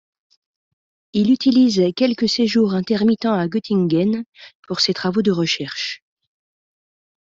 Il utilise quelques séjours intermittents à Göttingen pour ses travaux de recherche.